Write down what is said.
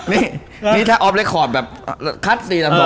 นี่ถ้าออฟล์แรคคอร์ดแบบคัต๔๕